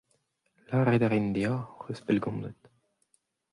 Lavaret a rin dezhañ hoc'h eus pellgomzet.